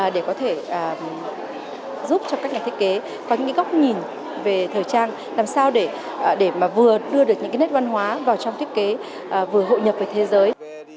để có thể giúp cho các nhà thiết kế có những góc nhìn về thời trang làm sao để mà vừa đưa được những nét văn hóa vào trong thiết kế vừa hội nhập với thế giới